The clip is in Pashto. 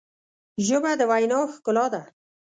ژبه د وینا ښکلا ده